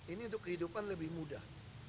ini untuk kehidupan lebih mudah